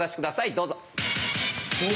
どうぞ！